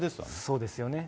そうですよね。